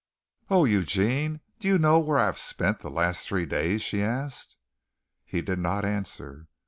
"Oh, Eugene, do you know where I have spent the last three days?" she asked. He did not answer.